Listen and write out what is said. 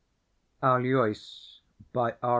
t ALOYS BY R.